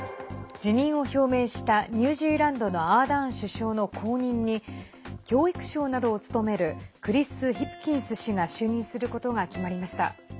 辞任を表明したニュージーランドのアーダーン首相の後任に教育相などを務めるクリス・ヒプキンス氏が就任することが決まりました。